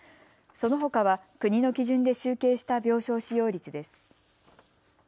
そのほかは国の基準で集計した病床使用率です。